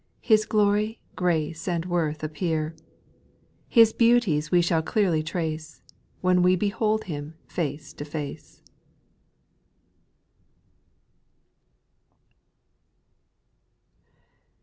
His glory, grace, and worth appear ; His beauties we shall clearly trace, When we behold Him face to face.